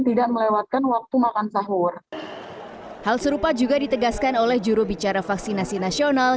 tidak melewatkan waktu makan sahur hal serupa juga ditegaskan oleh jurubicara vaksinasi nasional